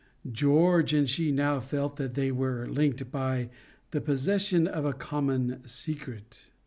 George and she now felt that they were linked by the possession of a common, secret.